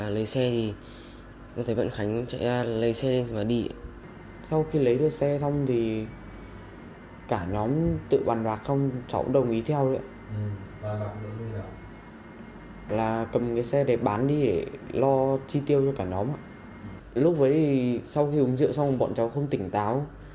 lúc đấy thì sau khi uống rượu xong bọn cháu không tỉnh táo